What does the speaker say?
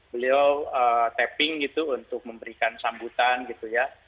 beliau tapping gitu untuk memberikan sambutan gitu ya